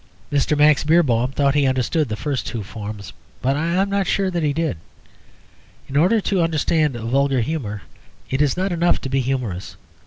Mr. Max Beerbohm thought he understood the first two forms; but I am not sure that he did. In order to understand vulgar humour it is not enough to be humorous.